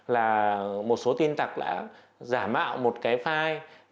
là một số tin tặc đã giả mạo một cái file